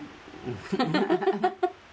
フフフフ。